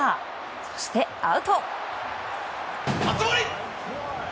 そして、アウト。